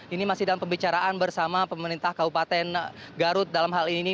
ini masih dalam pembicaraan bersama pemerintah kabupaten garut dalam hal ini